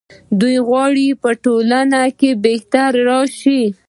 دوی غواړي په ټولنه کې بهتري راشي.